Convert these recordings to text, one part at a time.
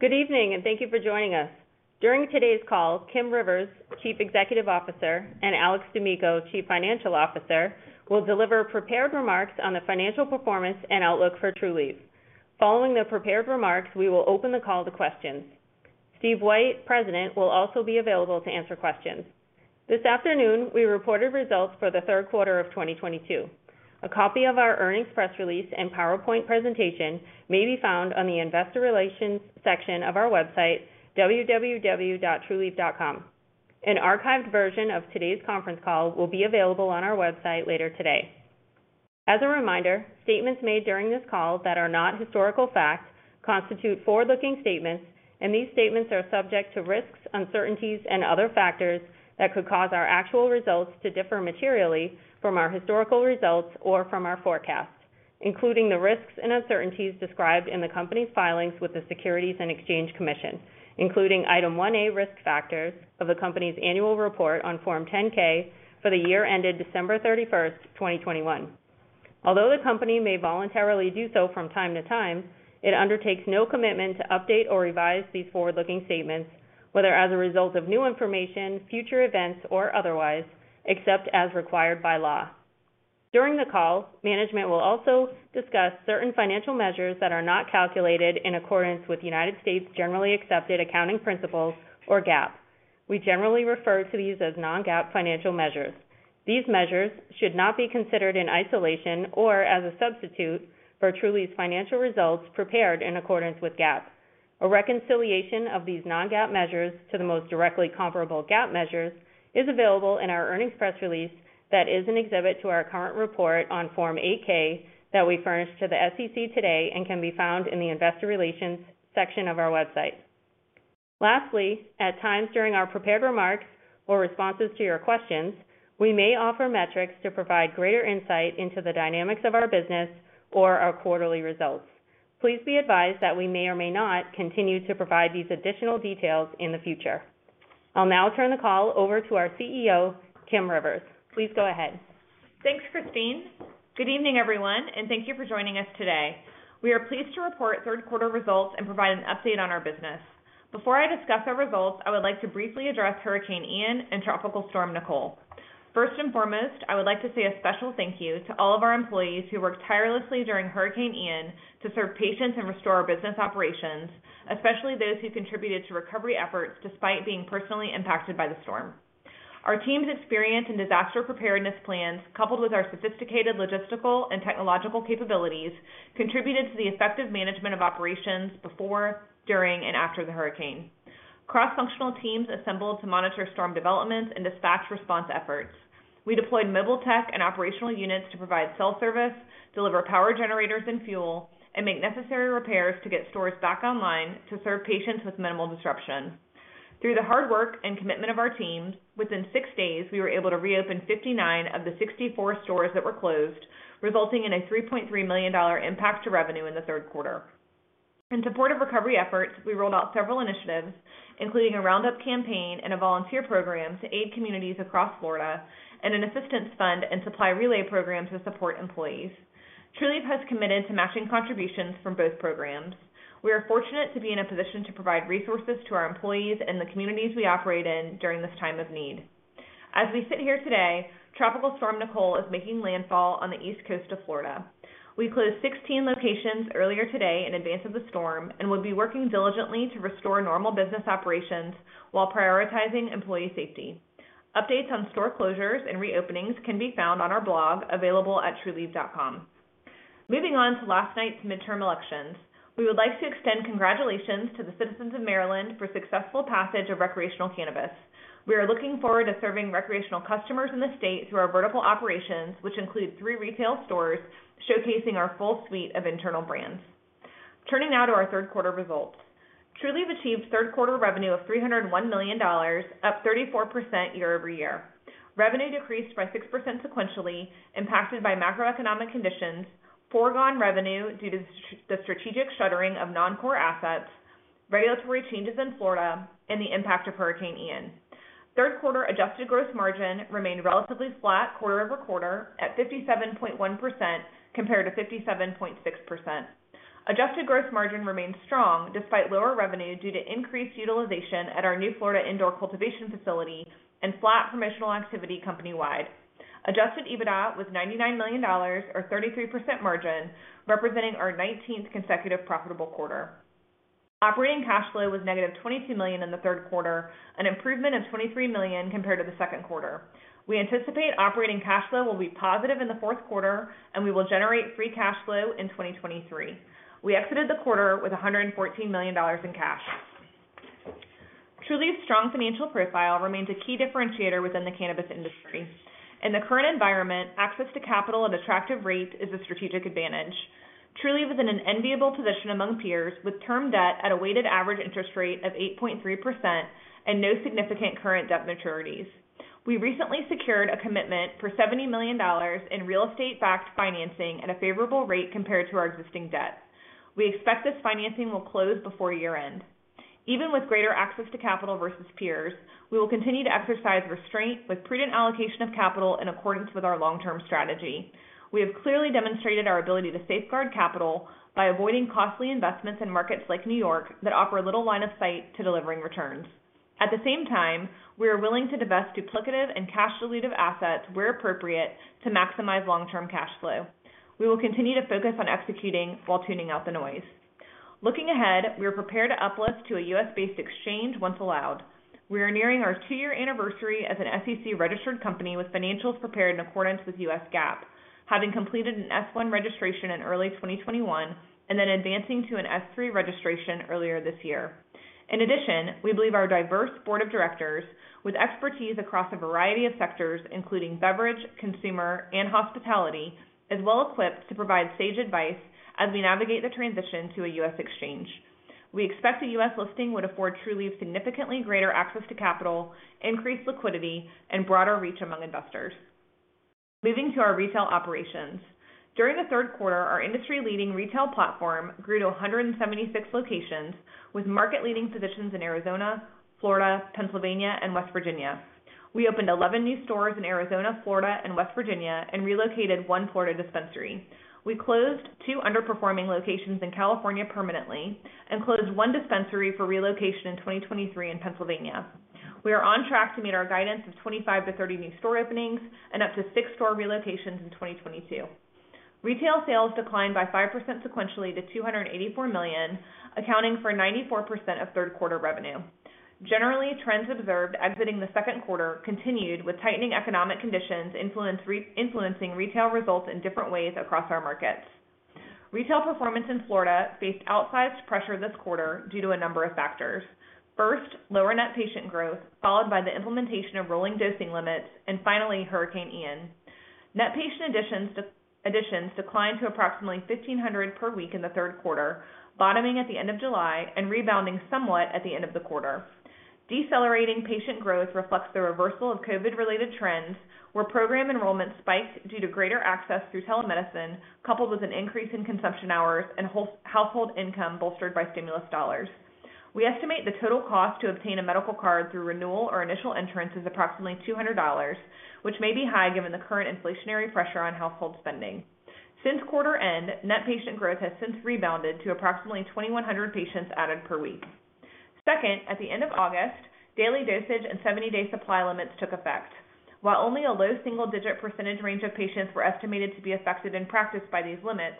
Good evening and thank you for joining us. During today's call, Kim Rivers, Chief Executive Officer, and Alex D'Amico, Chief Financial Officer, will deliver prepared remarks on the financial performance and outlook for Trulieve. Following the prepared remarks, we will open the call to questions. Steve White, President, will also be available to answer questions. This afternoon, we reported results for the Q3 of 2022. A copy of our earnings press release and PowerPoint presentation may be found on the investor relations section of our website, www.trulieve.com. An archived version of today's conference call will be available on our website later today. As a reminder, statements made during this call that are not historical facts constitute forward-looking statements, and these statements are subject to risks, uncertainties, and other factors that could cause our actual results to differ materially from our historical results or from our forecasts, including the risks and uncertainties described in the company's filings with the Securities and Exchange Commission, including Item 1A Risk Factors of the company's annual report on Form 10-K for the year ended 31 December 2021. Although the company may voluntarily do so from time to time, it undertakes no commitment to update or revise these forward-looking statements, whether as a result of new information, future events, or otherwise, except as required by law. During the call, management will also discuss certain financial measures that are not calculated in accordance with United States generally accepted accounting principles or GAAP. We generally refer to these as non-GAAP financial measures. These measures should not be considered in isolation or as a substitute for Trulieve's financial results prepared in accordance with GAAP. A reconciliation of these non-GAAP measures to the most directly comparable GAAP measures is available in our earnings press release that is an exhibit to our current report on Form 8-K that we furnished to the SEC today and can be found in the investor relations section of our website. Lastly, at times during our prepared remarks or responses to your questions, we may offer metrics to provide greater insight into the dynamics of our business or our quarterly results. Please be advised that we may or may not continue to provide these additional details in the future. I'll now turn the call over to our CEO, Kim Rivers. Please go ahead. Thanks, Christine. Good evening, everyone, and thank you for joining us today. We are pleased to report Q3 results and provide an update on our business. Before I discuss our results, I would like to briefly address Hurricane Ian and Tropical Storm Nicole. First and foremost, I would like to say a special thank you to all of our employees who worked tirelessly during Hurricane Ian to serve patients and restore our business operations, especially those who contributed to recovery efforts despite being personally impacted by the storm. Our team's experience in disaster preparedness plans, coupled with our sophisticated logistical and technological capabilities, contributed to the effective management of operations before, during, and after the hurricane. Cross-functional teams assembled to monitor storm developments and dispatch response efforts. We deployed mobile tech and operational units to provide cell service, deliver power generators and fuel, and make necessary repairs to get stores back online to serve patients with minimal disruption. Through the hard work and commitment of our team, within 6 days, we were able to reopen 59 of the 64 stores that were closed, resulting in a $3.3 million impact to revenue in the Q3. In support of recovery efforts, we rolled out several initiatives, including a roundup campaign and a volunteer program to aid communities across Florida and an assistance fund and supply relay program to support employees. Trulieve has committed to matching contributions from both programs. We are fortunate to be in a position to provide resources to our employees and the communities we operate in during this time of need. As we sit here today, Tropical Storm Nicole is making landfall on the East Coast of Florida. We closed 16 locations earlier today in advance of the storm and will be working diligently to restore normal business operations while prioritizing employee safety. Updates on store closures and reopenings can be found on our blog available at Trulieve.com. Moving on to last night's midterm elections, we would like to extend congratulations to the citizens of Maryland for successful passage of recreational cannabis. We are looking forward to serving recreational customers in the state through our vertical operations, which include 3 retail stores showcasing our full suite of internal brands. Turning now to our Q3 results. Trulieve achieved Q3 revenue of $301 million, up 34% year-over-year. Revenue decreased by 6% sequentially, impacted by macroeconomic conditions, foregone revenue due to the strategic shuttering of non-core assets, regulatory changes in Florida, and the impact of Hurricane Ian. Q3 adjusted gross margin remained relatively flat quarter-over-quarter at 57.1% compared to 57.6%. Adjusted gross margin remained strong despite lower revenue due to increased utilization at our new Florida indoor cultivation facility and flat promotional activity company wide. Adjusted EBITDA was $99 million or 33% margin, representing our 19th consecutive profitable quarter. Operating cash flow was -$22 million in the Q3, an improvement of $23 million compared to the Q2. We anticipate operating cash flow will be positive in the Q4, and we will generate free cash flow in 2023. We exited the quarter with $114 million in cash. Trulieve's strong financial profile remains a key differentiator within the cannabis industry. In the current environment, access to capital at attractive rates is a strategic advantage. Trulieve is in an enviable position among peers with term debt at a weighted average interest rate of 8.3% and no significant current debt maturities. We recently secured a commitment for $70 million in real estate-backed financing at a favorable rate compared to our existing debt. We expect this financing will close before year-end. Even with greater access to capital versus peers, we will continue to exercise restraint with prudent allocation of capital in accordance with our long-term strategy. We have clearly demonstrated our ability to safeguard capital by avoiding costly investments in markets like New York that offer little line of sight to delivering returns. At the same time, we are willing to divest duplicative and cash dilutive assets where appropriate to maximize long-term cash flow. We will continue to focus on executing while tuning out the noise. Looking ahead, we are prepared to uplift to a U.S.-based exchange once allowed. We are nearing our two-year anniversary as an SEC-registered company with financials prepared in accordance with U.S. GAAP, having completed an F-1 registration in early 2021 and then advancing to an F-3 registration earlier this year. In addition, we believe our diverse board of directors with expertise across a variety of sectors, including beverage, consumer, and hospitality, is well equipped to provide sage advice as we navigate the transition to a U.S. exchange. We expect the U.S. listing would afford Trulieve significantly greater access to capital, increased liquidity, and broader reach among investors. Moving to our retail operations. During the Q3, our industry-leading retail platform grew to 176 locations with market-leading positions in Arizona, Florida, Pennsylvania, and West Virginia. We opened 11 new stores in Arizona, Florida, and West Virginia and relocated one Florida dispensary. We closed two underperforming locations in California permanently and closed one dispensary for relocation in 2023 in Pennsylvania. We are on track to meet our guidance of 25-30 new store openings and up to six store relocations in 2022. Retail sales declined by 5% sequentially to $284 million, accounting for 94% of Q3 revenue. Generally, trends observed exiting the Q2 continued with tightening economic conditions influencing retail results in different ways across our markets. Retail performance in Florida faced outsized pressure this quarter due to a number of factors. First, lower net patient growth, followed by the implementation of rolling dosing limits, and finally, Hurricane Ian. Net patient additions declined to approximately 1,500 per week in the Q3, bottoming at the end of July and rebounding somewhat at the end of the quarter. Decelerating patient growth reflects the reversal of COVID-related trends, where program enrollment spiked due to greater access through telemedicine, coupled with an increase in consumption hours and household income bolstered by stimulus dollars. We estimate the total cost to obtain a medical card through renewal or initial entrance is approximately $200, which may be high given the current inflationary pressure on household spending. Since quarter end, net patient growth has since rebounded to approximately 2,100 patients added per week. Second, at the end of August, daily dosage and 70-day supply limits took effect. While only a low single-digit % range of patients were estimated to be affected in practice by these limits,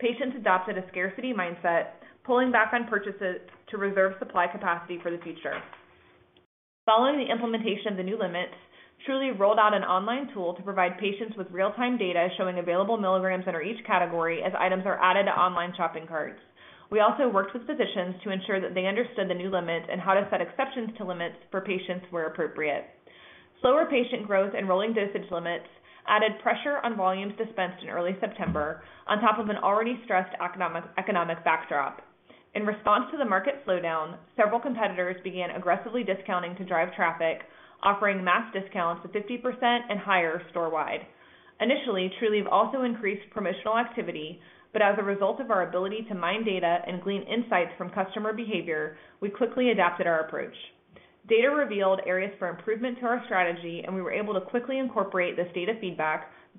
patients adopted a scarcity mindset, pulling back on purchases to reserve supply capacity for the future. Following the implementation of the new limits, Trulieve rolled out an online tool to provide patients with real-time data showing available milligrams under each category as items are added to online shopping carts. We also worked with physicians to ensure that they understood the new limits and how to set exceptions to limits for patients where appropriate. Slower patient growth and rolling dosage limits added pressure on volumes dispensed in early September on top of an already stressed economic backdrop. In response to the market slowdown, several competitors began aggressively discounting to drive traffic, offering mass discounts of 50% and higher store-wide. Initially, Trulieve also increased promotional activity, but as a result of our ability to mine data and glean insights from customer behavior, we quickly adapted our approach. Data revealed areas for improvement to our strategy, and we were able to quickly incorporate this data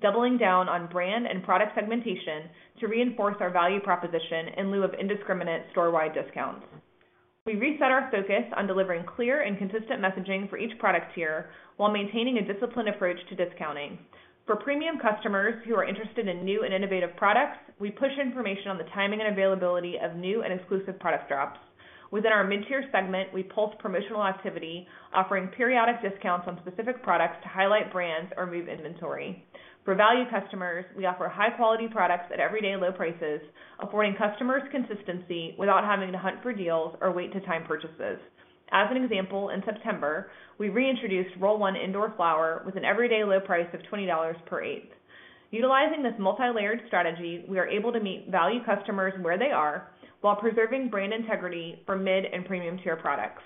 feedback, doubling down on brand and product segmentation to reinforce our value proposition in lieu of indiscriminate store-wide discounts. We reset our focus on delivering clear and consistent messaging for each product tier while maintaining a disciplined approach to discounting. For premium customers who are interested in new and innovative products, we push information on the timing and availability of new and exclusive product drops. Within our mid-tier segment, we pulsed promotional activity, offering periodic discounts on specific products to highlight brands or move inventory. For value customers, we offer high-quality products at everyday low prices, affording customers consistency without having to hunt for deals or wait to time purchases. As an example, in September, we reintroduced Roll One indoor flower with an everyday low price of $20 per eighth. Utilizing this multilayered strategy, we are able to meet value customers where they are while preserving brand integrity for mid and premium-tier products.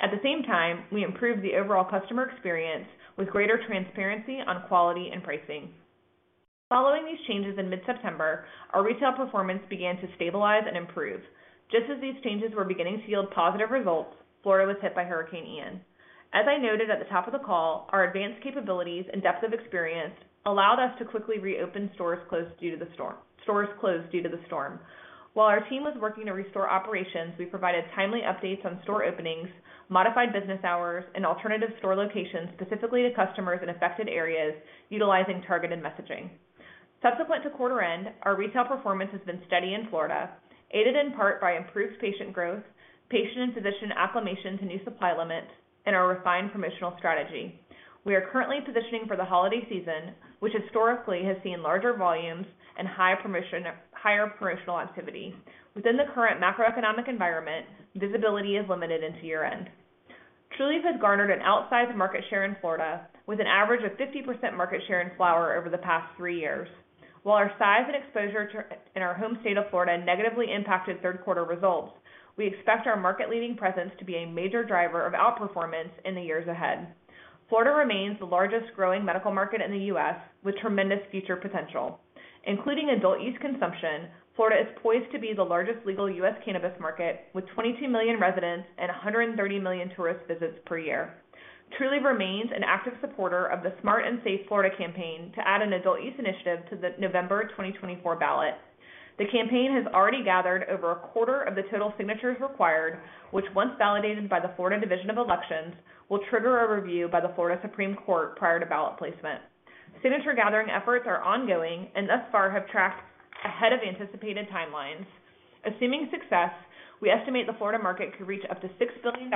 At the same time, we improved the overall customer experience with greater transparency on quality and pricing. Following these changes in mid-September, our retail performance began to stabilize and improve. Just as these changes were beginning to yield positive results, Florida was hit by Hurricane Ian. As I noted at the top of the call, our advanced capabilities and depth of experience allowed us to quickly reopen stores closed due to the storm. While our team was working to restore operations, we provided timely updates on store openings, modified business hours, and alternative store locations specifically to customers in affected areas utilizing targeted messaging. Subsequent to quarter end, our retail performance has been steady in Florida, aided in part by improved patient growth, patient and physician acclimation to new supply limits, and our refined promotional strategy. We are currently positioning for the holiday season, which historically has seen larger volumes and high promotion, higher promotional activity. Within the current macroeconomic environment, visibility is limited into year-end. Trulieve has garnered an outsized market share in Florida with an average of 50% market share in flower over the past 3 years. While our size and exposure in our home state of Florida negatively impacted Q3 results, we expect our market-leading presence to be a major driver of outperformance in the years ahead. Florida remains the largest growing medical market in the U.S. with tremendous future potential. Including adult use consumption, Florida is poised to be the largest legal U.S. cannabis market with 22 million residents and 130 million tourist visits per year. Trulieve remains an active supporter of the Smart & Safe Florida campaign to add an adult use initiative to the November 2024 ballot. The campaign has already gathered over a quarter of the total signatures required, which once validated by the Florida Division of Elections, will trigger a review by the Florida Supreme Court prior to ballot placement. Signature gathering efforts are ongoing and thus far have tracked ahead of anticipated timelines. Assuming success, we estimate the Florida market could reach up to $6 billion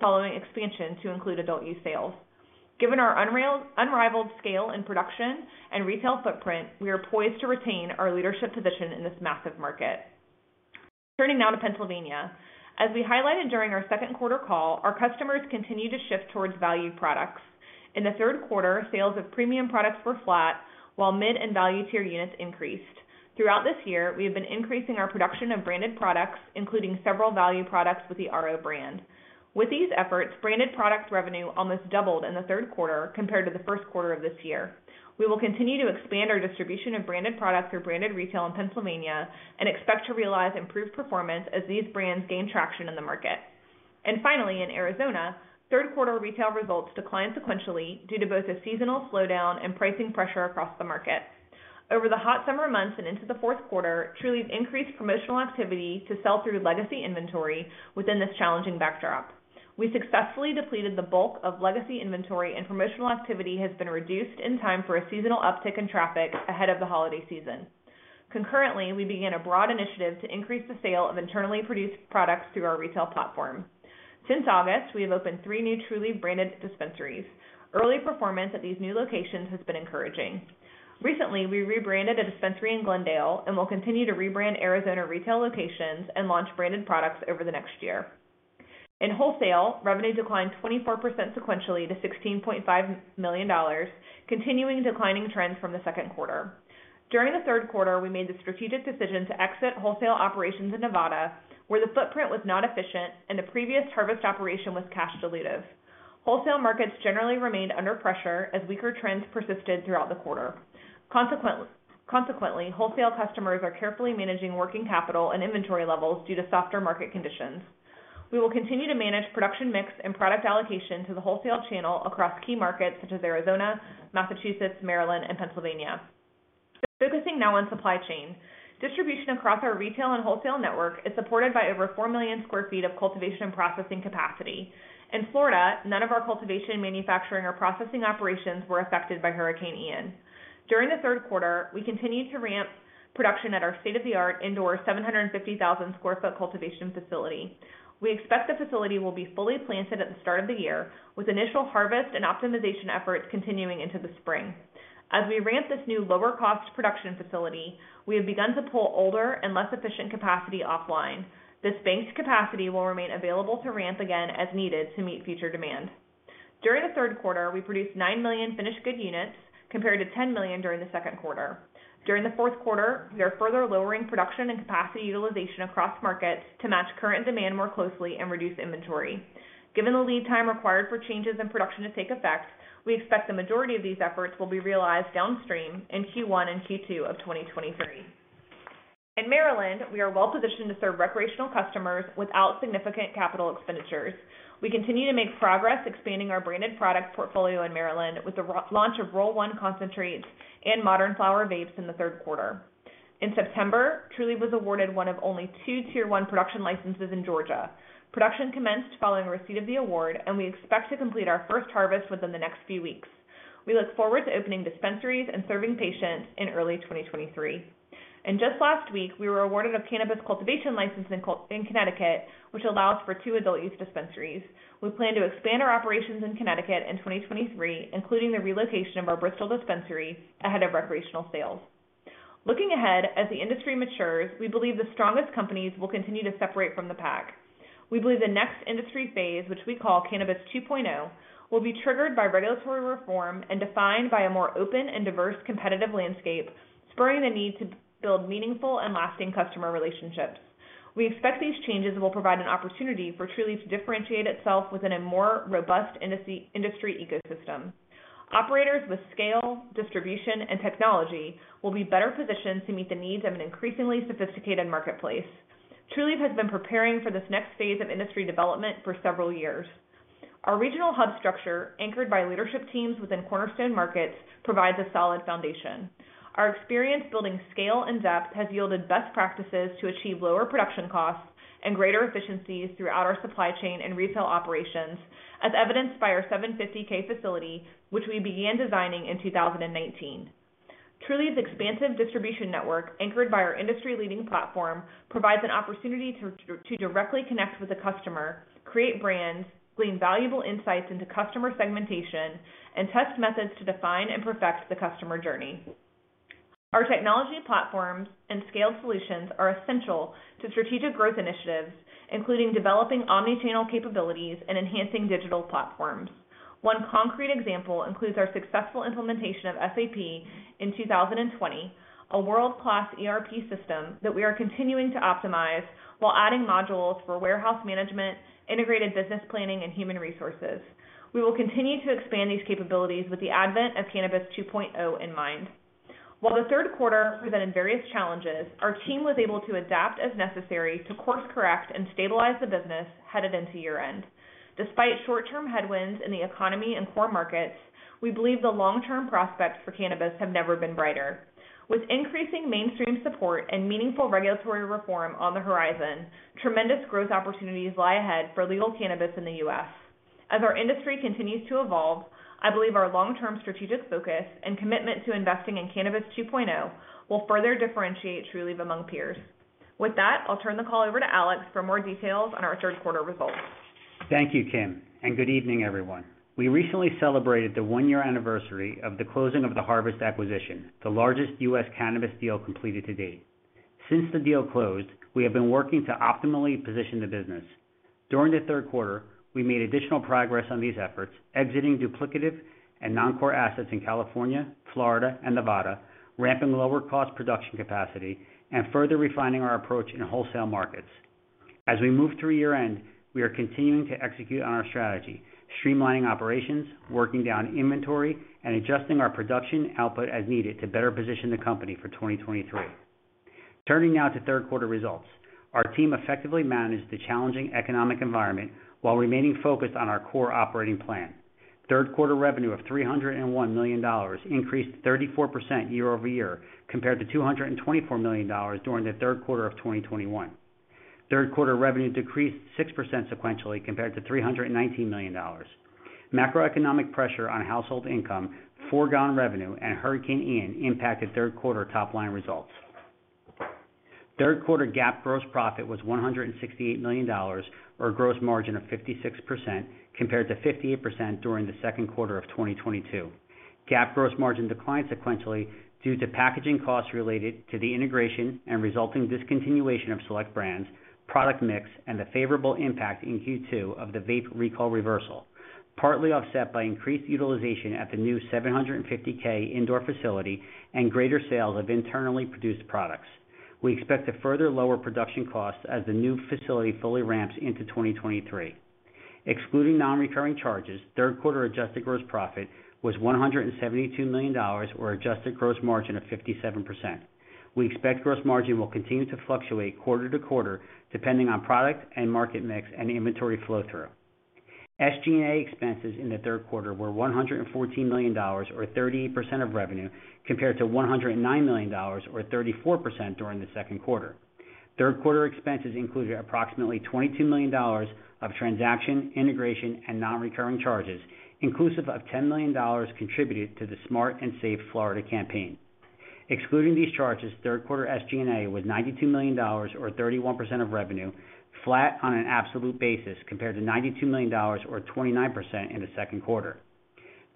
following expansion to include adult use sales. Given our unrivaled scale in production and retail footprint, we are poised to retain our leadership position in this massive market. Turning now to Pennsylvania. As we highlighted during our Q2 call, our customers continue to shift towards value products. In the Q3, sales of premium products were flat while mid and value tier units increased. Throughout this year, we have been increasing our production of branded products, including several value products with the Roll One brand. With these efforts, branded products revenue almost doubled in the Q3 compared to the Q1 of this year. We will continue to expand our distribution of branded products through branded retail in Pennsylvania and expect to realize improved performance as these brands gain traction in the market. Finally, in Arizona, Q3 retail results declined sequentially due to both a seasonal slowdown and pricing pressure across the market. Over the hot summer months and into the Q4, Trulieve increased promotional activity to sell through legacy inventory within this challenging backdrop. We successfully depleted the bulk of legacy inventory, and promotional activity has been reduced in time for a seasonal uptick in traffic ahead of the holiday season. Concurrently, we began a broad initiative to increase the sale of internally produced products through our retail platform. Since August, we have opened three new Trulieve-branded dispensaries. Early performance at these new locations has been encouraging. Recently, we rebranded a dispensary in Glendale and will continue to rebrand Arizona retail locations and launch branded products over the next year. In wholesale, revenue declined 24% sequentially to $16.5 million, continuing declining trends from the Q2. During the Q3, we made the strategic decision to exit wholesale operations in Nevada, where the footprint was not efficient and the previous harvest operation was cash dilutive. Wholesale markets generally remained under pressure as weaker trends persisted throughout the quarter. Consequently, wholesale customers are carefully managing working capital and inventory levels due to softer market conditions. We will continue to manage production mix and product allocation to the wholesale channel across key markets such as Arizona, Massachusetts, Maryland, and Pennsylvania. Focusing now on supply chain. Distribution across our retail and wholesale network is supported by over 4 million sq ft of cultivation and processing capacity. In Florida, none of our cultivation, manufacturing, or processing operations were affected by Hurricane Ian. During the Q3, we continued to ramp production at our state-of-the-art indoor 750,000 sq ft cultivation facility. We expect the facility will be fully planted at the start of the year, with initial harvest and optimization efforts continuing into the spring. As we ramp this new lower-cost production facility, we have begun to pull older and less efficient capacity offline. This banked capacity will remain available to ramp again as needed to meet future demand. During the Q3, we produced 9 million finished good units, compared to 10 million during the Q2. During the Q4, we are further lowering production and capacity utilization across markets to match current demand more closely and reduce inventory. Given the lead time required for changes in production to take effect, we expect the majority of these efforts will be realized downstream in Q1 and Q2 of 2023. In Maryland, we are well positioned to serve recreational customers without significant capital expenditures. We continue to make progress expanding our branded product portfolio in Maryland with the re-launch of Roll One concentrates and Modern Flower vapes in the Q3. In September, Trulieve was awarded one of only two Class 1 production licenses in Georgia. Production commenced following receipt of the award, and we expect to complete our first harvest within the next few weeks. We look forward to opening dispensaries and serving patients in early 2023. Just last week, we were awarded a cannabis cultivation license in Connecticut, which allows for two adult use dispensaries. We plan to expand our operations in Connecticut in 2023, including the relocation of our Bristol dispensary ahead of recreational sales. Looking ahead, as the industry matures, we believe the strongest companies will continue to separate from the pack. We believe the next industry phase, which we call Cannabis 2.0, will be triggered by regulatory reform and defined by a more open and diverse competitive landscape, spurring the need to build meaningful and lasting customer relationships. We expect these changes will provide an opportunity for Trulieve to differentiate itself within a more robust industry ecosystem. Operators with scale, distribution, and technology will be better positioned to meet the needs of an increasingly sophisticated marketplace. Trulieve has been preparing for this next phase of industry development for several years. Our regional hub structure, anchored by leadership teams within cornerstone markets, provides a solid foundation. Our experience building scale and depth has yielded best practices to achieve lower production costs and greater efficiencies throughout our supply chain and retail operations, as evidenced by our 750K facility, which we began designing in 2019. Trulieve's expansive distribution network, anchored by our industry-leading platform, provides an opportunity to directly connect with the customer, create brands, glean valuable insights into customer segmentation, and test methods to define and perfect the customer journey. Our technology platforms and scaled solutions are essential to strategic growth initiatives, including developing omni-channel capabilities and enhancing digital platforms. One concrete example includes our successful implementation of SAP in 2020, a world-class ERP system that we are continuing to optimize while adding modules for warehouse management, integrated business planning, and human resources. We will continue to expand these capabilities with the advent of Cannabis 2.0 in mind. While the Q3 presented various challenges, our team was able to adapt as necessary to course-correct and stabilize the business headed into year-end. Despite short-term headwinds in the economy and core markets, we believe the long-term prospects for cannabis have never been brighter. With increasing mainstream support and meaningful regulatory reform on the horizon, tremendous growth opportunities lie ahead for legal cannabis in the U.S. As our industry continues to evolve, I believe our long-term strategic focus and commitment to investing in Cannabis 2.0 will further differentiate Trulieve among peers. With that, I'll turn the call over to Alex for more details on our Q3 results. Thank you, Kim, and good evening, everyone. We recently celebrated the one-year anniversary of the closing of the Harvest acquisition, the largest U.S. cannabis deal completed to date. Since the deal closed, we have been working to optimally position the business. During the Q3, we made additional progress on these efforts, exiting duplicative and non-core assets in California, Florida, and Nevada, ramping lower cost production capacity, and further refining our approach in wholesale markets. As we move through year-end, we are continuing to execute on our strategy, streamlining operations, working down inventory, and adjusting our production output as needed to better position the company for 2023. Turning now to Q3 results. Our team effectively managed the challenging economic environment while remaining focused on our core operating plan. Q3 revenue of $301 million increased 34% year-over-year compared to $224 million during the Q3 of 2021. Q3 revenue decreased 6% sequentially compared to $319 million. Macroeconomic pressure on household income, foregone revenue, and Hurricane Ian impacted Q3 top-line results. Q3 GAAP gross profit was $168 million or a gross margin of 56% compared to 58% during the Q2 of 2022. GAAP gross margin declined sequentially due to packaging costs related to the integration and resulting discontinuation of select brands, product mix, and the favorable impact in Q2 of the vape recall reversal, partly offset by increased utilization at the new 750K indoor facility and greater sales of internally produced products. We expect to further lower production costs as the new facility fully ramps into 2023. Excluding non-recurring charges, Q3 adjusted gross profit was $172 million or adjusted gross margin of 57%. We expect gross margin will continue to fluctuate quarter to quarter depending on product and market mix and inventory flow-through. SG&A expenses in the Q3 were $114 million or 30% of revenue, compared to $109 million or 34% during the Q2. Q3 expenses included approximately $22 million of transaction, integration, and non-recurring charges, inclusive of $10 million contributed to the Smart & Safe Florida campaign. Excluding these charges, Q3 SG&A was $92 million or 31% of revenue, flat on an absolute basis compared to $92 million or 29% in the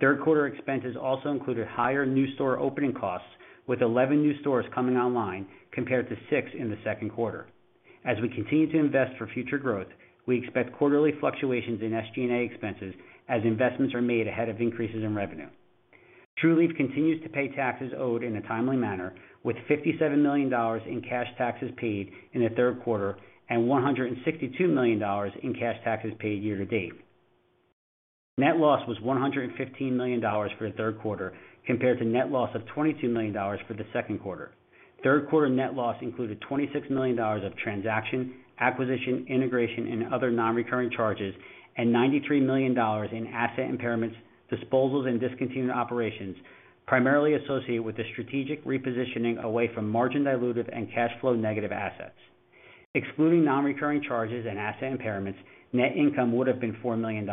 Q2. Q3 expenses also included higher new store opening costs, with 11 new stores coming online compared to 6 in the Q2. As we continue to invest for future growth, we expect quarterly fluctuations in SG&A expenses as investments are made ahead of increases in revenue. Trulieve continues to pay taxes owed in a timely manner with $57 million in cash taxes paid in the Q3 and $162 million in cash taxes paid year-to-date. Net loss was $115 million for the Q3 compared to net loss of $22 million for the Q2. Q3 net loss included $26 million of transaction, acquisition, integration, and other non-recurring charges, and $93 million in asset impairments, disposals, and discontinued operations, primarily associated with the strategic repositioning away from margin-dilutive and cash flow-negative assets. Excluding non-recurring charges and asset impairments, net income would have been $4 million.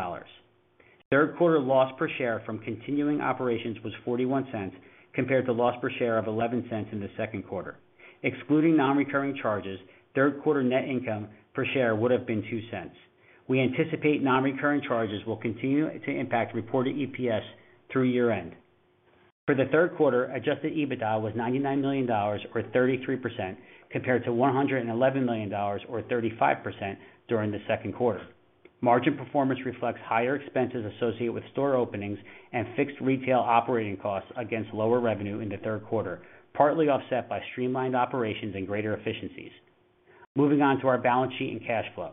Q3 loss per share from continuing operations was $0.41 compared to loss per share of $0.11 in the Q2. Excluding non-recurring charges, Q3 net income per share would have been $0.02. We anticipate non-recurring charges will continue to impact reported EPS through year-end. For the Q3, adjusted EBITDA was $99 million or 33% compared to $111 million or 35% during the Q2. Margin performance reflects higher expenses associated with store openings and fixed retail operating costs against lower revenue in the Q3, partly offset by streamlined operations and greater efficiencies. Moving on to our balance sheet and cash flow.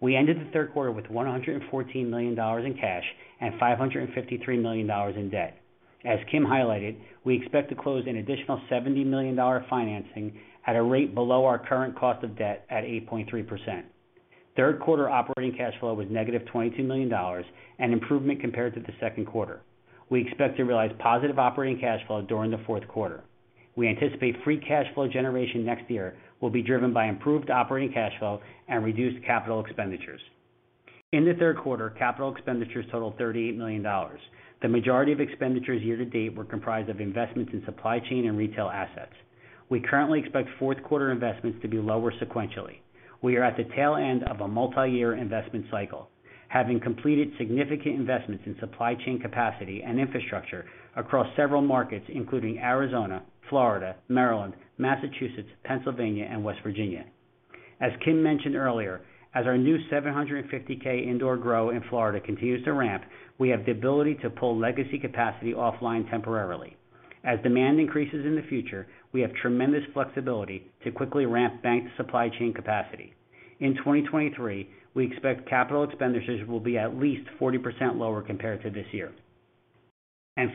We ended the Q3 with $114 million in cash and $553 million in debt. As Kim highlighted, we expect to close an additional $70 million dollar financing at a rate below our current cost of debt at 8.3%. Q3 operating cash flow was negative $22 million, an improvement compared to the Q2. We expect to realize positive operating cash flow during the Q4. We anticipate free cash flow generation next year will be driven by improved operating cash flow and reduced capital expenditures. In the Q3, capital expenditures totaled $38 million. The majority of expenditures year to date were comprised of investments in supply chain and retail assets. We currently expect Q4 investments to be lower sequentially. We are at the tail end of a multi-year investment cycle, having completed significant investments in supply chain capacity and infrastructure across several markets, including Arizona, Florida, Maryland, Massachusetts, Pennsylvania, and West Virginia. As Kim mentioned earlier, as our new 750K indoor grow in Florida continues to ramp, we have the ability to pull legacy capacity offline temporarily. As demand increases in the future, we have tremendous flexibility to quickly ramp back supply chain capacity. In 2023, we expect capital expenditures will be at least 40% lower compared to this year.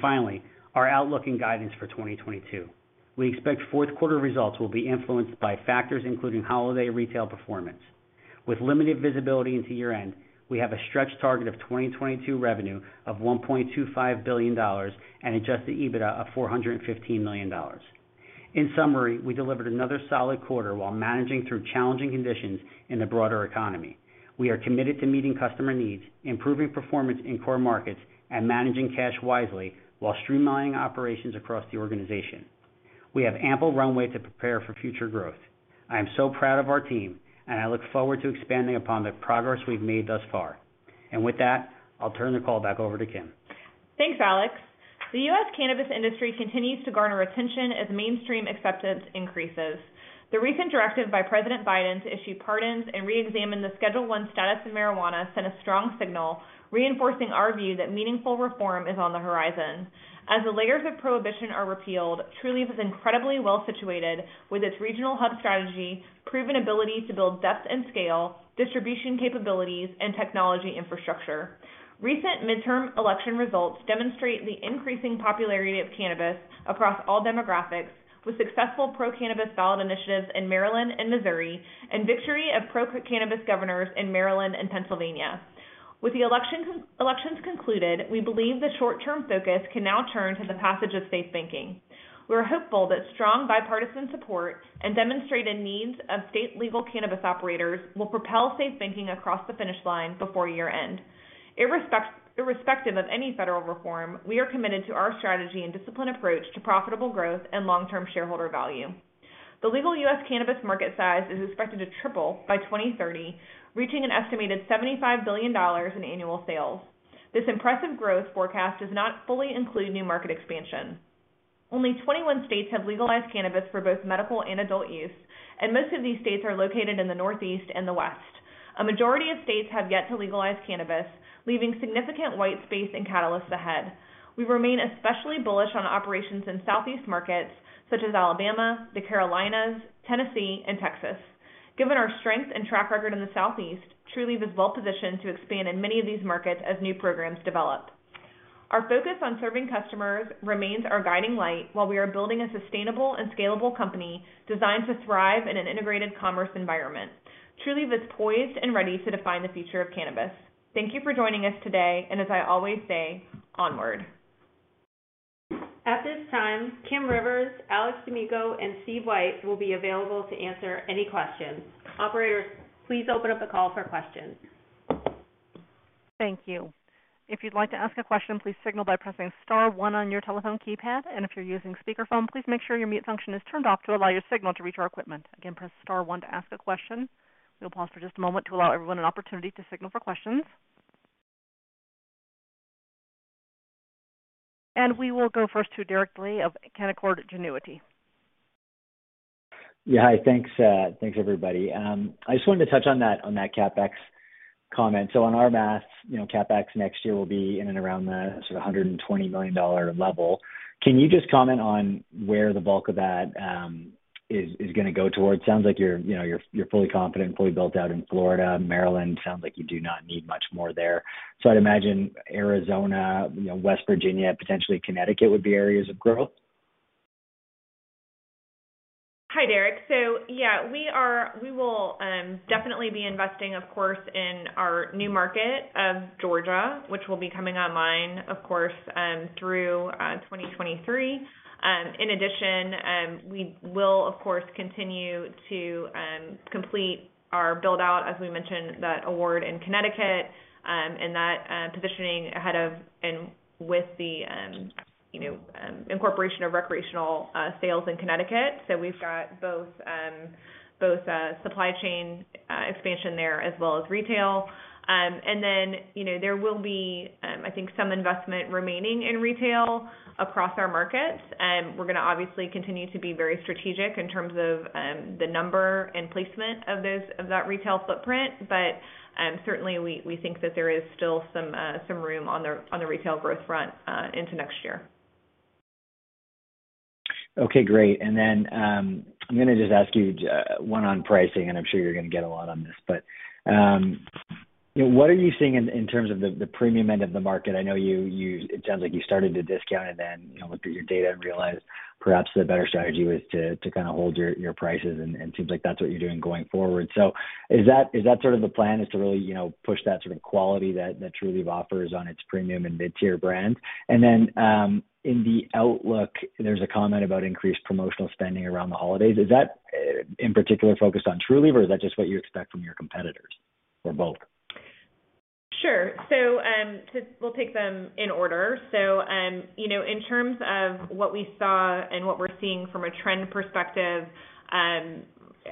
Finally, our outlook and guidance for 2022. We expect Q4 results will be influenced by factors including holiday retail performance. With limited visibility into year-end, we have a stretch target of 2022 revenue of $1.25 billion and Adjusted EBITDA of $415 million. In summary, we delivered another solid quarter while managing through challenging conditions in the broader economy. We are committed to meeting customer needs, improving performance in core markets, and managing cash wisely while streamlining operations across the organization. We have ample runway to prepare for future growth. I am so proud of our team, and I look forward to expanding upon the progress we've made thus far. With that, I'll turn the call back over to Kim. Thanks, Alex. The US cannabis industry continues to garner attention as mainstream acceptance increases. The recent directive by President Biden to issue pardons and reexamine the Schedule I status of marijuana sent a strong signal, reinforcing our view that meaningful reform is on the horizon. As the layers of prohibition are repealed, Trulieve is incredibly well-situated with its regional hub strategy, proven ability to build depth and scale, distribution capabilities, and technology infrastructure. Recent midterm election results demonstrate the increasing popularity of cannabis across all demographics, with successful pro-cannabis ballot initiatives in Maryland and Missouri, and victory of pro-cannabis governors in Maryland and Pennsylvania. With the elections concluded, we believe the short-term focus can now turn to the passage of SAFE Banking. We're hopeful that strong bipartisan support and demonstrated needs of state legal cannabis operators will propel SAFE Banking across the finish line before year-end. Irrespective of any federal reform, we are committed to our strategy and disciplined approach to profitable growth and long-term shareholder value. The legal U.S. cannabis market size is expected to triple by 2030, reaching an estimated $75 billion in annual sales. This impressive growth forecast does not fully include new market expansion. Only 21 states have legalized cannabis for both medical and adult use, and most of these states are located in the Northeast and the West. A majority of states have yet to legalize cannabis, leaving significant white space and catalyst ahead. We remain especially bullish on operations in Southeast markets such as Alabama, the Carolinas, Tennessee, and Texas. Given our strength and track record in the Southeast, Trulieve is well-positioned to expand in many of these markets as new programs develop. Our focus on serving customers remains our guiding light while we are building a sustainable and scalable company designed to thrive in an integrated commerce environment. Trulieve is poised and ready to define the future of cannabis. Thank you for joining us today, and as I always say, onward. At this time, Kim Rivers, Alex D'Amico, and Steve White will be available to answer any questions. Operator, please open up the call for questions. Thank you. If you'd like to ask a question, please signal by pressing star one on your telephone keypad. If you're using speakerphone, please make sure your mute function is turned off to allow your signal to reach our equipment. Again, press star one to ask a question. We'll pause for just a moment to allow everyone an opportunity to signal for questions. We will go first to Derek Lee of Canaccord Genuity. Yeah. Hi. Thanks, everybody. I just wanted to touch on that CapEx comment. On our math, you know, CapEx next year will be in and around the sort of $120 million level. Can you just comment on where the bulk of that is gonna go towards? Sounds like you're, you know, you're fully confident, fully built out in Florida. Maryland sounds like you do not need much more there. I'd imagine Arizona, you know, West Virginia, potentially Connecticut would be areas of growth. Hi, Derek. Yeah, we will definitely be investing, of course, in our new market of Georgia, which will be coming online, of course, through 2023. In addition, we will of course continue to complete our build-out, as we mentioned, that award in Connecticut, and that positioning ahead of and with the, you know, incorporation of recreational sales in Connecticut. We've got both supply chain expansion there as well as retail. Then, you know, there will be, I think some investment remaining in retail across our markets. We're gonna obviously continue to be very strategic in terms of the number and placement of those, of that retail footprint, but certainly we think that there is still some room on the retail growth front into next year. Okay, great. I'm gonna just ask you one on pricing, and I'm sure you're gonna get a lot on this, but you know, what are you seeing in terms of the premium end of the market? I know it sounds like you started to discount it, then you know, looked at your data and realized perhaps the better strategy was to kinda hold your prices and seems like that's what you're doing going forward. Is that sort of the plan, is to really you know, push that sort of quality that Trulieve offers on its premium and mid-tier brands? In the outlook, there's a comment about increased promotional spending around the holidays. Is that, in particular focused on Trulieve, or is that just what you expect from your competitors, or both? Sure. We'll take them in order. You know, in terms of what we saw and what we're seeing from a trend perspective,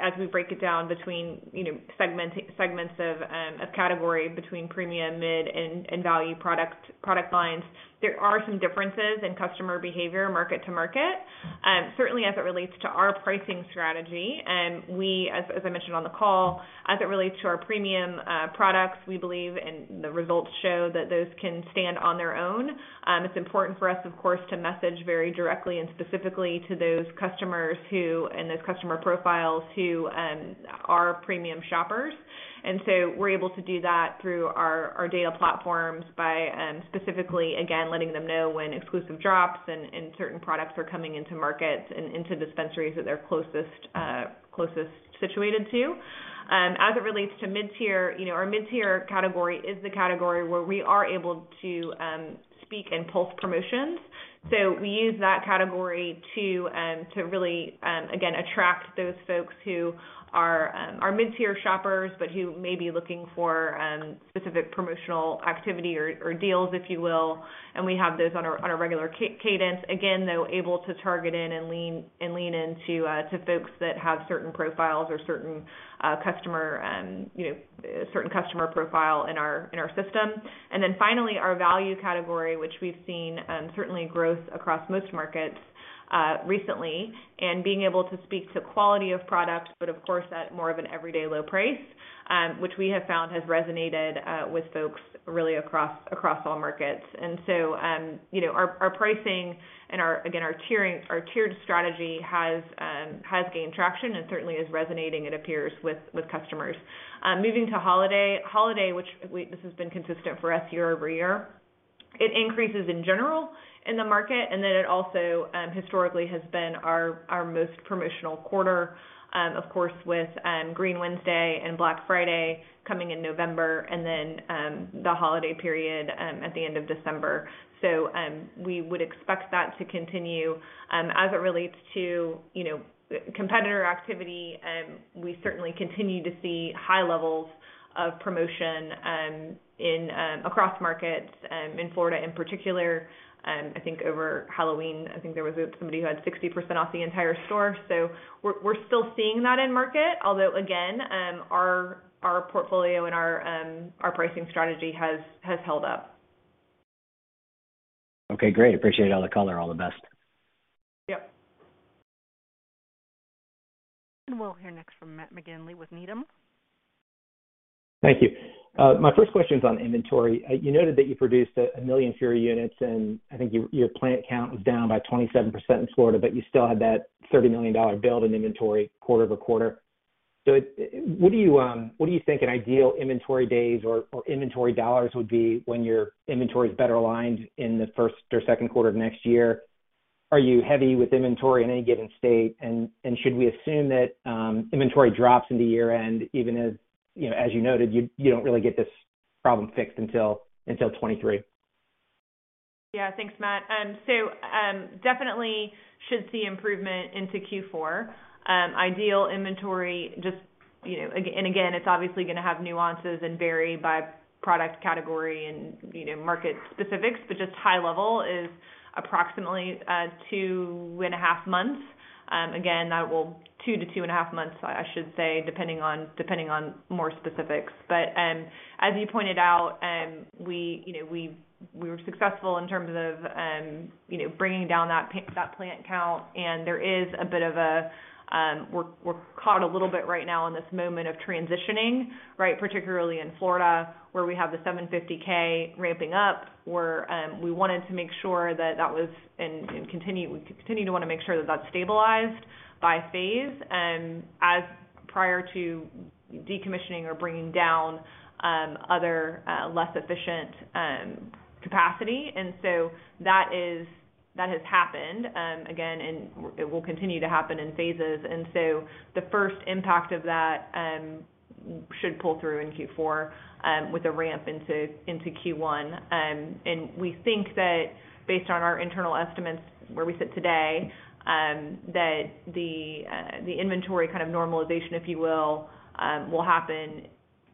as we break it down between, you know, segments of a category between premium, mid, and value product lines. There are some differences in customer behavior market to market, certainly as it relates to our pricing strategy. We as I mentioned on the call, as it relates to our premium products, we believe, and the results show that those can stand on their own. It's important for us, of course, to message very directly and specifically to those customers who, and those customer profiles who, are premium shoppers. We're able to do that through our data platforms by specifically, again, letting them know when exclusive drops and certain products are coming into markets and into dispensaries that they're closest situated to. As it relates to mid-tier, you know, our mid-tier category is the category where we are able to speak in pulse promotions. We use that category to really, again, attract those folks who are mid-tier shoppers, but who may be looking for specific promotional activity or deals, if you will. We have those on a regular cadence. Again, though, able to target in and lean into to folks that have certain profiles or certain customer, you know, certain customer profile in our system. Finally, our value category, which we've seen certainly growth across most markets recently, and being able to speak to quality of product, but of course, at more of an everyday low price, which we have found has resonated with folks really across all markets. You know, our pricing and our, again, our tiering, our tiered strategy has gained traction and certainly is resonating, it appears, with customers. Moving to holiday. This has been consistent for us year-over-year. It increases in general in the market, and then it also historically has been our most promotional quarter, of course, with Green Wednesday and Black Friday coming in November and then the holiday period at the end of December. We would expect that to continue. As it relates to, you know, competitor activity, we certainly continue to see high levels of promotion across markets in Florida in particular. I think over Halloween, there was somebody who had 60% off the entire store. We're still seeing that in market, although again, our portfolio and our pricing strategy has held up. Okay, great. Appreciate all the color. All the best. Yep. We'll hear next from Matt McGinley with Needham. Thank you. My first question is on inventory. You noted that you produced 1 million fewer units, and I think your plant count was down by 27% in Florida, but you still had that $30 million build in inventory quarter over quarter. What do you think an ideal inventory days or inventory dollars would be when your inventory is better aligned in the first or Q2 of next year? Are you heavy with inventory in any given state? Should we assume that inventory drops into year-end, even as you noted, you don't really get this problem fixed until 2023? Yeah. Thanks, Matt. Definitely should see improvement into Q4. Ideal inventory just, you know. Again, it's obviously gonna have nuances and vary by product category and, you know, market specifics, but just high level is approximately 2.5 months. Again, 2 to 2.5 months, I should say, depending on more specifics. As you pointed out, you know, we were successful in terms of, you know, bringing down that plant count. There is a bit of a. We're caught a little bit right now in this moment of transitioning, right? Particularly in Florida, where we have the 750K ramping up, where we wanted to make sure that was and continue to wanna make sure that that's stabilized by phase as prior to decommissioning or bringing down other less efficient capacity. That has happened again, and it will continue to happen in phases. The first impact of that should pull through in Q4 with a ramp into Q1. We think that based on our internal estimates where we sit today that the inventory kind of normalization, if you will happen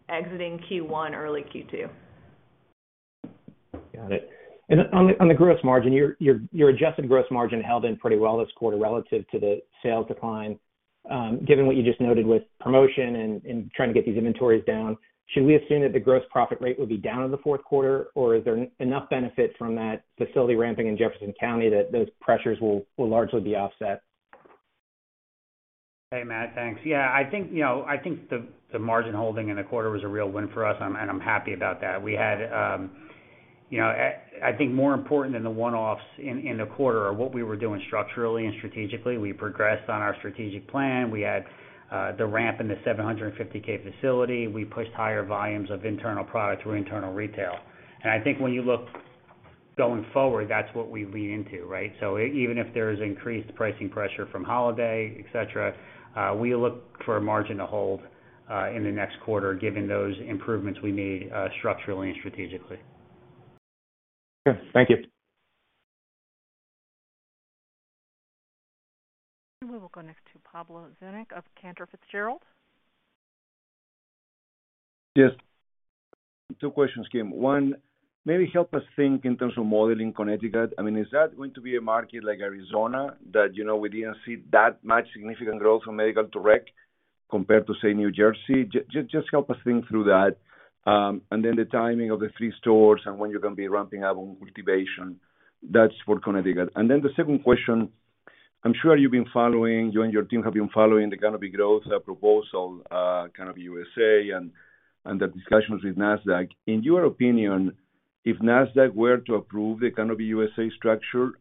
exiting Q1, early Q2. Got it. On the gross margin, your adjusted gross margin held up pretty well this quarter relative to the sales decline. Given what you just noted with promotion and trying to get these inventories down, should we assume that the gross profit rate would be down in the Q4, or is there enough benefit from that facility ramping in Jefferson County that those pressures will largely be offset? Hey, Matt. Thanks. Yeah, I think, you know, I think the margin holding in the quarter was a real win for us, and I'm happy about that. We had, you know, I think more important than the one-offs in the quarter are what we were doing structurally and strategically. We progressed on our strategic plan. We had the ramp in the 750K facility. We pushed higher volumes of internal product through internal retail. And I think when you look going forward, that's what we lean into, right? Even if there is increased pricing pressure from holiday, et cetera, we look for a margin to hold in the next quarter, given those improvements we made structurally and strategically. Okay. Thank you. We will go next to Pablo Zuanic of Cantor Fitzgerald. Just two questions, Kim. One, maybe help us think in terms of modeling Connecticut. I mean, is that going to be a market like Arizona that, you know, we didn't see that much significant growth from medical to rec? Compared to, say, New Jersey. Just help us think through that. Then the timing of the three stores and when you're gonna be ramping up on cultivation. That's for Connecticut. The second question, I'm sure you've been following, you and your team have been following the Canopy Growth proposal, Canopy USA and the discussions with Nasdaq. In your opinion, if Nasdaq were to approve the Canopy USA structure,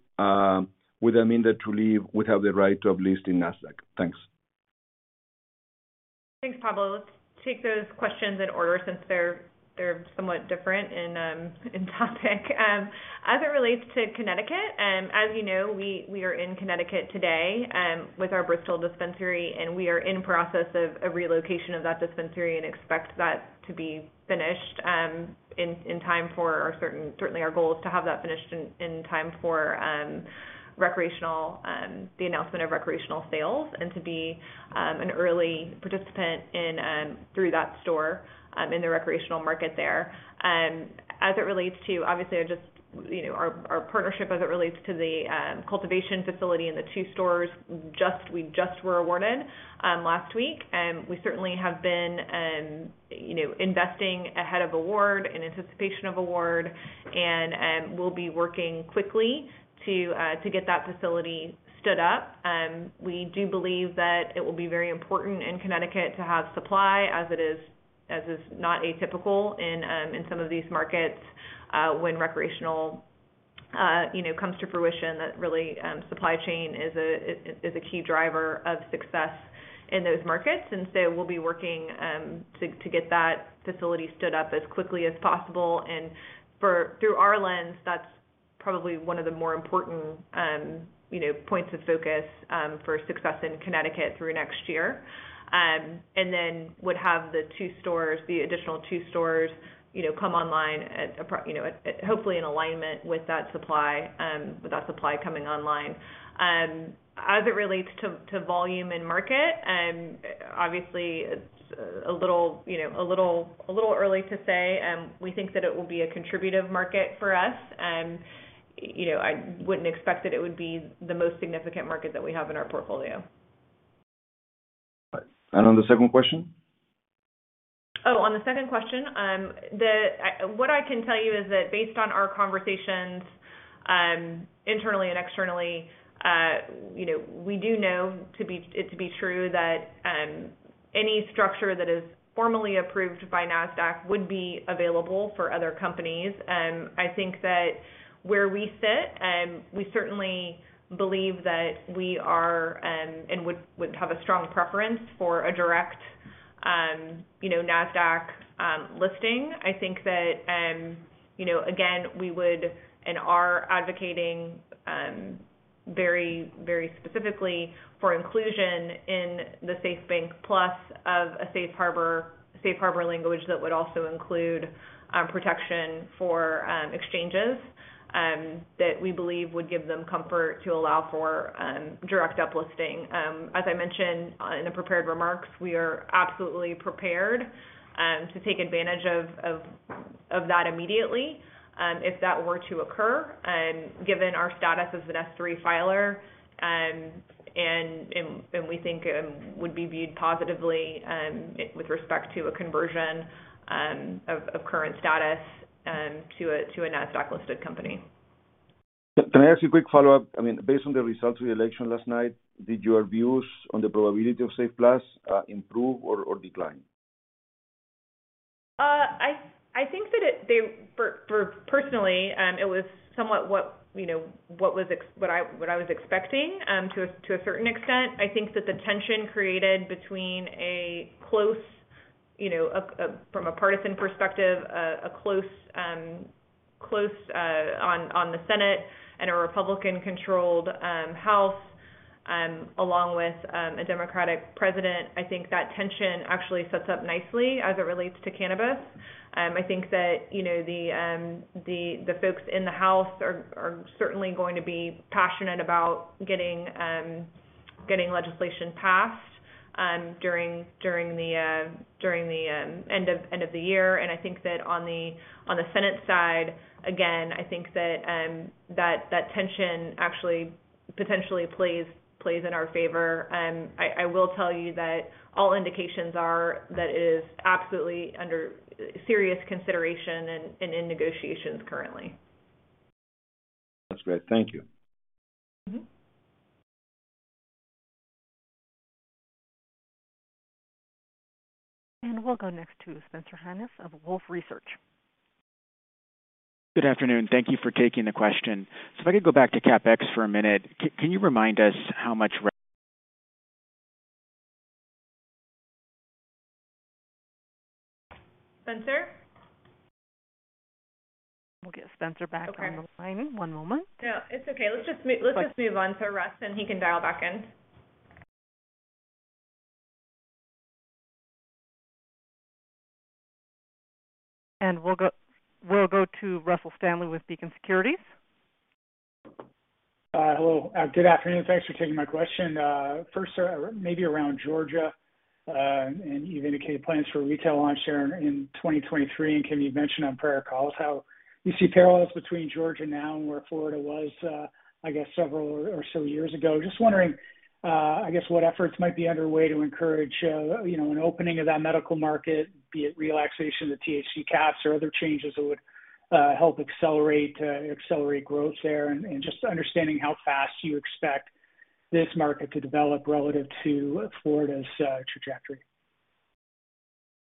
would that mean that Trulieve would have the right to uplist in Nasdaq? Thanks. Thanks, Pablo. Let's take those questions in order since they're somewhat different in topic. As it relates to Connecticut, as you know, we are in Connecticut today with our Bristol dispensary, and we are in process of a relocation of that dispensary and expect that to be finished in time for, or certainly our goal is to have that finished in time for the announcement of recreational sales and to be an early participant in through that store in the recreational market there. As it relates to, obviously, I just, you know, our partnership as it relates to the cultivation facility and the two stores. We just were awarded last week. We certainly have been, you know, investing ahead of award in anticipation of award and, we'll be working quickly to get that facility stood up. We do believe that it will be very important in Connecticut to have supply as it is, as is not atypical in some of these markets, when recreational, you know, comes to fruition, that really, supply chain is a key driver of success in those markets. We'll be working to get that facility stood up as quickly as possible. Through our lens, that's probably one of the more important, you know, points of focus, for success in Connecticut through next year. would have the two stores, the additional two stores, you know, come online at, hopefully in alignment with that supply coming online. As it relates to volume and market, obviously it's a little early to say. We think that it will be a contributive market for us. You know, I wouldn't expect that it would be the most significant market that we have in our portfolio. On the second question? Oh, on the second question, what I can tell you is that based on our conversations, internally and externally, you know, we do know it to be true that any structure that is formally approved by Nasdaq would be available for other companies. I think that where we sit, we certainly believe that we are and would have a strong preference for a direct, you know, Nasdaq listing. I think that, you know, again, we would and are advocating very, very specifically for inclusion in the SAFE Banking Plus of a safe harbor language that would also include protection for exchanges that we believe would give them comfort to allow for direct uplisting. As I mentioned, in the prepared remarks, we are absolutely prepared to take advantage of that immediately, if that were to occur, given our status as an S-3 filer, and we think would be viewed positively, with respect to a conversion of current status to a Nasdaq-listed company. Can I ask you a quick follow-up? I mean, based on the results of the election last night, did your views on the probability of SAFE Plus improve or decline? I think that it was somewhat what I was expecting, you know, to a certain extent. I think that the tension created between a close, you know, from a partisan perspective, a close on the Senate and a Republican-controlled House, along with a Democratic president, I think that tension actually sets up nicely as it relates to cannabis. I think that, you know, the folks in the House are certainly going to be passionate about getting legislation passed during the end of the year. I think that on the Senate side, again, I think that tension actually potentially plays in our favor. I will tell you that all indications are that it is absolutely under serious consideration and in negotiations currently. That's great. Thank you. We'll go next to Spencer Hanus of Wolfe Research. Good afternoon. Thank you for taking the question. If I could go back to CapEx for a minute, can you remind us how much re- Spencer? We'll get Spencer back. Okay. On the line in one moment. No, it's okay. Let's just move on to Russ, and he can dial back in. We'll go to Russell Stanley with Beacon Securities. Hello. Good afternoon. Thanks for taking my question. First, maybe around Georgia, and you've indicated plans for retail launch there in 2023, and Kim, you've mentioned on prior calls how you see parallels between Georgia now and where Florida was, I guess several or so years ago. Just wondering, I guess what efforts might be underway to encourage, you know, an opening of that medical market, be it relaxation of THC caps or other changes that would help accelerate growth there, and just understanding how fast you expect this market to develop relative to Florida's trajectory.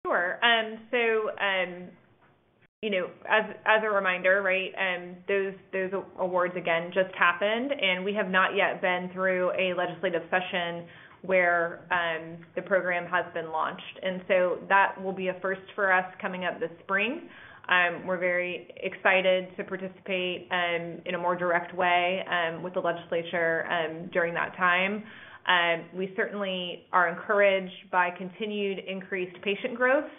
Sure. So, you know, as a reminder, right, those awards again just happened, and we have not yet been through a legislative session where the program has been launched. That will be a first for us coming up this spring. We're very excited to participate in a more direct way with the legislature during that time. We certainly are encouraged by continued increased patient growth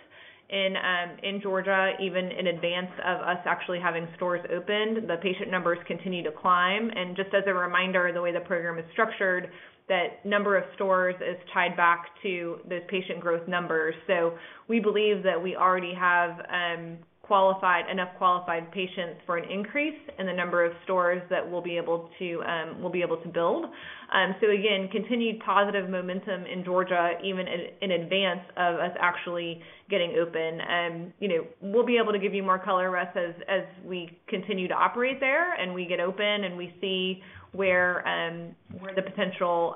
in Georgia, even in advance of us actually having stores opened. The patient numbers continue to climb. Just as a reminder, the way the program is structured, that number of stores is tied back to the patient growth numbers. We believe that we already have enough qualified patients for an increase in the number of stores that we'll be able to build. Again, continued positive momentum in Georgia, even in advance of us actually getting open. You know, we'll be able to give you more color, Russ, as we continue to operate there and we get open and we see where the potential,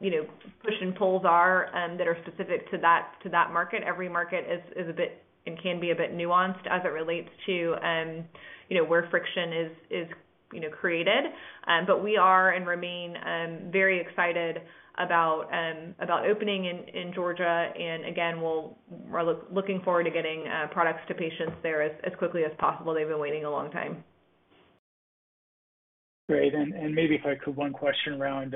you know, push and pulls are that are specific to that market. Every market is a bit and can be a bit nuanced as it relates to, you know, where friction is, you know, created. But we are and remain very excited about opening in Georgia. We're looking forward to getting products to patients there as quickly as possible. They've been waiting a long time. Great. Maybe if I could ask one question around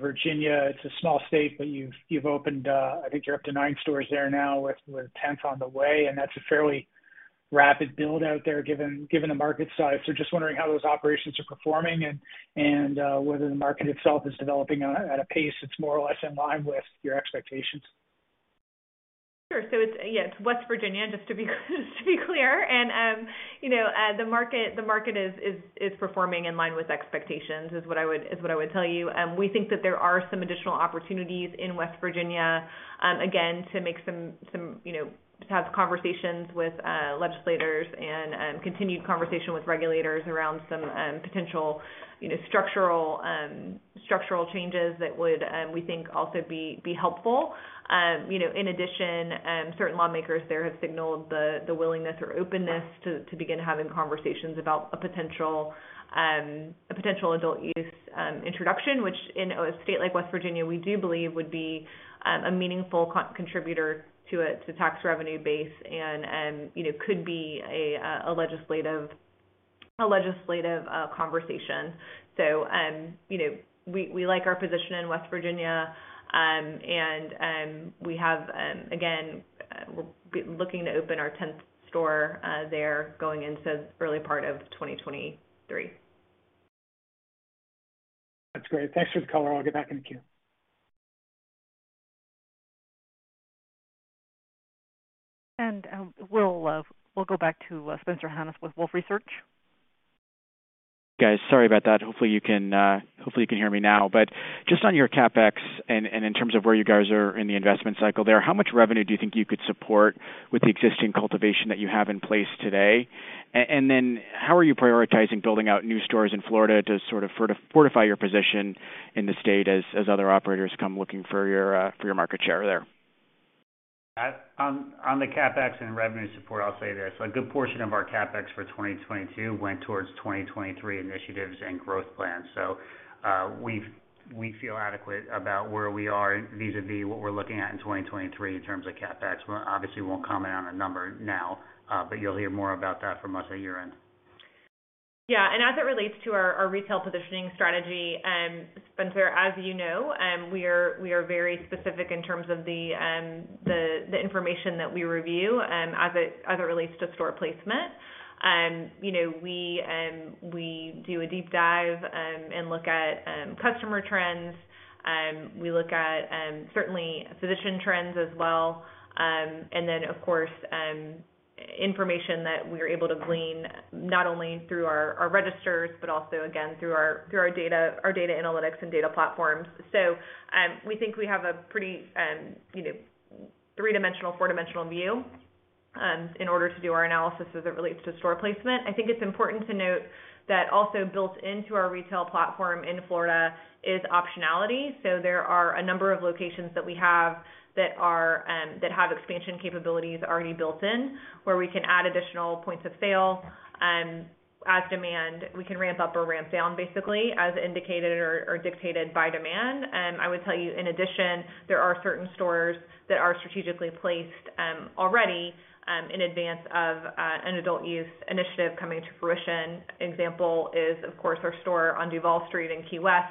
Virginia. It's a small state, but you've opened, I think you're up to 9 stores there now, with tenth on the way, and that's a fairly rapid build out there given the market size. Just wondering how those operations are performing and whether the market itself is developing at a pace that's more or less in line with your expectations. Sure. Yeah, it's West Virginia, just to be clear. You know, the market is performing in line with expectations, is what I would tell you. We think that there are some additional opportunities in West Virginia, again, to make some, you know, to have conversations with legislators and continued conversation with regulators around some potential, you know, structural changes that would, we think, also be helpful. You know, in addition, certain lawmakers there have signaled the willingness or openness to begin having conversations about a potential adult use introduction, which in a state like West Virginia, we do believe would be a meaningful contributor to a tax revenue base and, you know, could be a legislative conversation. You know, we like our position in West Virginia. Again, we're looking to open our tenth store there going into early part of 2023. That's great. Thanks for the color. I'll get back in the queue. We'll go back to Spencer Hanus with Wolfe Research. Guys, sorry about that. Hopefully you can hear me now. Just on your CapEx and in terms of where you guys are in the investment cycle there, how much revenue do you think you could support with the existing cultivation that you have in place today? Then how are you prioritizing building out new stores in Florida to sort of fortify your position in the state as other operators come looking for your market share there? On the CapEx and revenue support, I'll say this. A good portion of our CapEx for 2022 went towards 2023 initiatives and growth plans. We feel adequate about where we are vis-à-vis what we're looking at in 2023 in terms of CapEx. We obviously won't comment on a number now, but you'll hear more about that from us at year-end. Yeah. As it relates to our retail positioning strategy, Spencer, as you know, we are very specific in terms of the information that we review, as it relates to store placement. You know, we do a deep dive and look at customer trends. We look at certainly physician trends as well. Then of course, information that we're able to glean not only through our registers, but also again through our data, our data analytics and data platforms. We think we have a pretty, you know, three-dimensional, four-dimensional view in order to do our analysis as it relates to store placement. I think it's important to note that also built into our retail platform in Florida is optionality. There are a number of locations that we have that have expansion capabilities already built in, where we can add additional points of sale, as demand. We can ramp up or ramp down basically as indicated or dictated by demand. I would tell you in addition, there are certain stores that are strategically placed, already, in advance of an adult use initiative coming to fruition. Example is of course our store on Duval Street in Key West.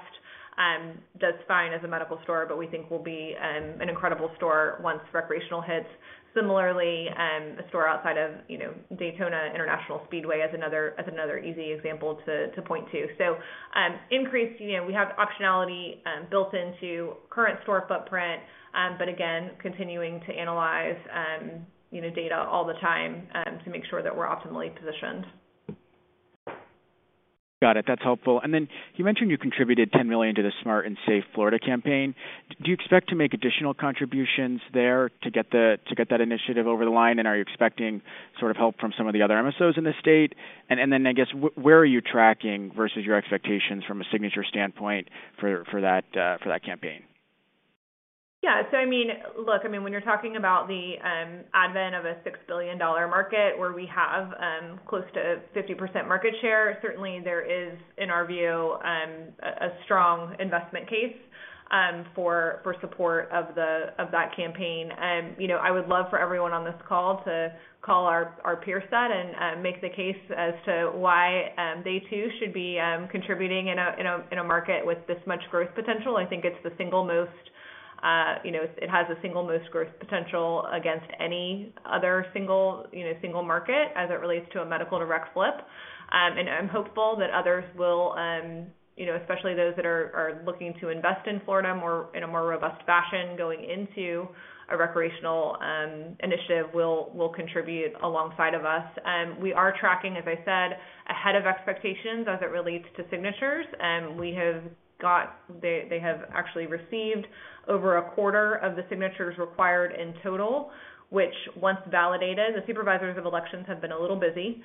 That's fine as a medical store, but we think will be an incredible store once recreational hits. Similarly, a store outside of, you know, Daytona International Speedway as another easy example to point to. increased, you know, we have optionality built into current store footprint, but again, continuing to analyze, you know, data all the time to make sure that we're optimally positioned. Got it. That's helpful. You mentioned you contributed $10 million to the Smart & Safe Florida campaign. Do you expect to make additional contributions there to get that initiative over the line? Are you expecting sort of help from some of the other MSOs in the state? I guess where are you tracking versus your expectations from a signature standpoint for that campaign? I mean, look, when you're talking about the advent of a $6 billion market where we have close to 50% market share, certainly there is, in our view, a strong investment case for support of that campaign. You know, I would love for everyone on this call to call our peer set and make the case as to why they too should be contributing in a market with this much growth potential. I think it has the single most growth potential against any other single market as it relates to a medical direct flip. I'm hopeful that others will, you know, especially those that are looking to invest in Florida more, in a more robust fashion going into a recreational initiative will contribute alongside of us. We are tracking, as I said, ahead of expectations as it relates to signatures. They have actually received over a quarter of the signatures required in total, which once validated, the supervisors of elections have been a little busy,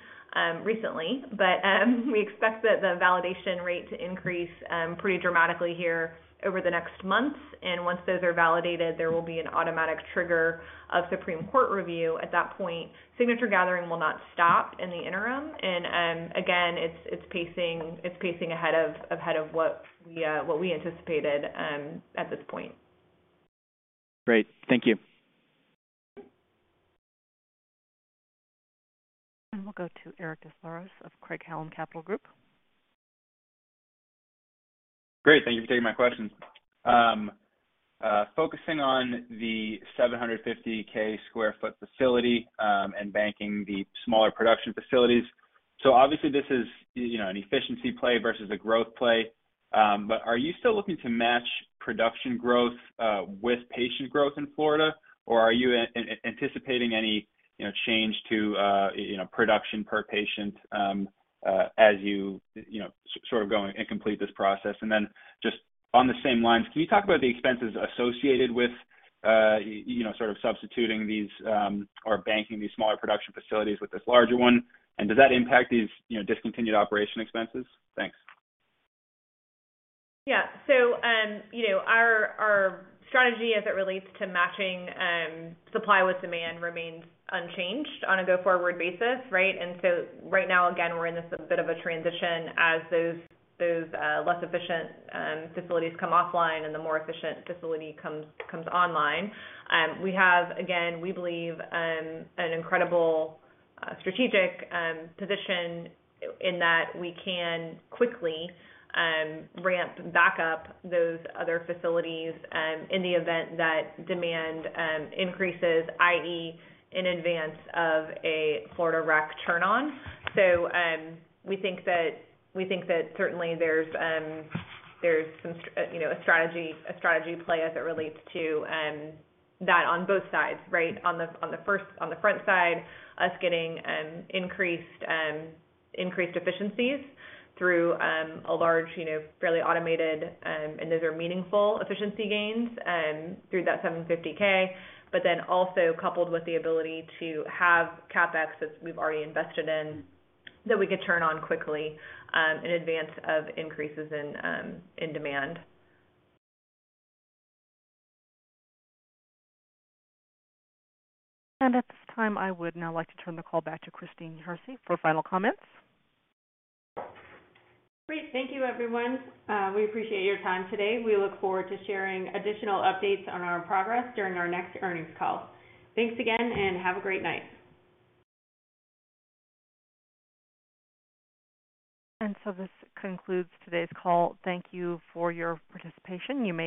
recently. We expect that the validation rate to increase pretty dramatically here over the next months. Once those are validated, there will be an automatic trigger of Florida Supreme Court review. At that point, signature gathering will not stop in the interim. Again, it's pacing ahead of what we anticipated at this point. Great. Thank you. We'll go to Eric Des Lauriers of Craig-Hallum Capital Group. Great. Thank you for taking my questions. Focusing on the 750K sq ft facility, and banking the smaller production facilities. Obviously this is, you know, an efficiency play versus a growth play. Are you still looking to match production growth with patient growth in Florida? Are you anticipating any, you know, change to, you know, production per patient, as you know, sort of go and complete this process? Then just on the same lines, can you talk about the expenses associated with, you know, sort of substituting these, or banking these smaller production facilities with this larger one? Does that impact these, you know, discontinued operation expenses? Thanks. Yeah. You know, our strategy as it relates to matching supply with demand remains unchanged on a go-forward basis, right? Right now, again, we're in this a bit of a transition as those less efficient facilities come offline and the more efficient facility comes online. We have, again, we believe an incredible strategic position in that we can quickly ramp back up those other facilities in the event that demand increases, i.e., in advance of a Florida rec turn on. We think that certainly there's you know, a strategy play as it relates to that on both sides, right? On the front side, us getting increased efficiencies through a large, you know, fairly automated, and those are meaningful efficiency gains through that $750K. Also coupled with the ability to have CapEx as we've already invested in, that we could turn on quickly, in advance of increases in demand. At this time, I would now like to turn the call back to Christine Hersey for final comments. Great. Thank you, everyone. We appreciate your time today. We look forward to sharing additional updates on our progress during our next earnings call. Thanks again, and have a great night. This concludes today's call. Thank you for your participation. You may-